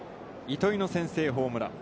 糸井の先制ホームラン。